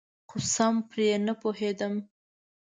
خو سم پرې نپوهیدم.